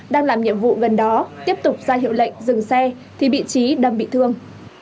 đang làm nhiệm vụ gần đó tiếp tục ra hiệu lệnh dừng xe thì bị trí đâm bị thương